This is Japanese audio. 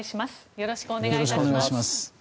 よろしくお願いします。